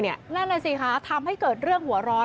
นั่นแหละสิคะทำให้เกิดเรื่องหัวร้อน